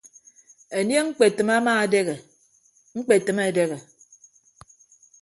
Enie ñkpetịm ama edehe ñkpetịm edehe.